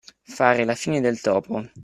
Fare la fine del topo.